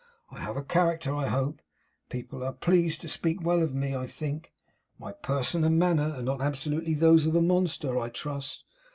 I have a character, I hope. People are pleased to speak well of me, I think. My person and manner are not absolutely those of a monster, I trust.